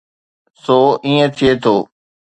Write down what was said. سو ائين ٿئي ٿو.